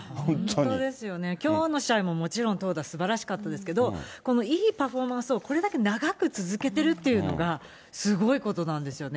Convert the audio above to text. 本当ですよね、きょうの試合ももちろん投打すばらしかったですけど、このいいパフォーマンスをこれだけ長く続けてるっていうのが、すごいことなんですよね。